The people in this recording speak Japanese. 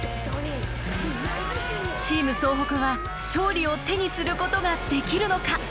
チーム総北は勝利を手にすることができるのか？